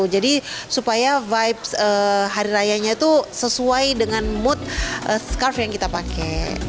jadi supaya vibe hari rayanya tuh sesuai dengan mood scarf yang kita pakai